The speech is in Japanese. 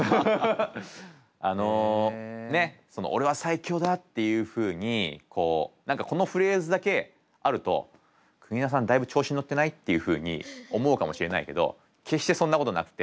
あのねっその「オレは最強だ！」っていうふうにこう何かこのフレーズだけあると「国枝さんだいぶ調子に乗ってない？」っていうふうに思うかもしれないけど決してそんなことなくて。